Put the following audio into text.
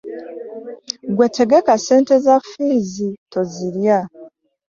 Gwe tegeka ssente za fiizi tozirya.